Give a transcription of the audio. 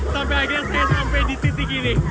sampai akhirnya saya sampai di titik ini